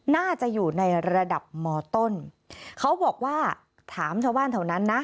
น่าจะอยู่ในระดับมต้นเขาบอกว่าถามชาวบ้านแถวนั้นนะ